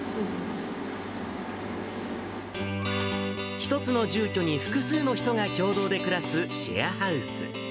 １つの住居に複数の人が共同で暮らすシェアハウス。